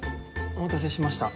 お待たせしました。